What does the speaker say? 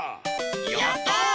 やった！